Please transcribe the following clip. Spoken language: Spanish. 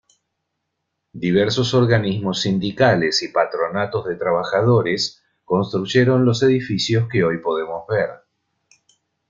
Diversos organismos sindicales y patronatos de trabajadores construyeron los edificios que hoy podemos ver.